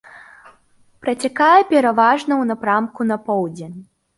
Працякае пераважна ў напрамку на поўдзень.